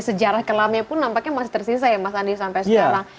sejarah kelamnya pun nampaknya masih tersisa ya mas andi sampai sekarang